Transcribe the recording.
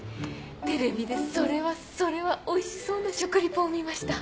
テレビでそれはそれはおいしそうな食リポを見ました。